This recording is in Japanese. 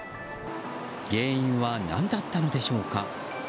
原因は何だったのでしょうか。